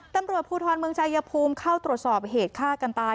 ตำรวจภูทรเมืองชายภูมิเข้าตรวจสอบเหตุฆ่ากันตาย